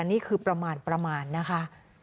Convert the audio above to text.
นี่คือประมาณประมาณนะคะ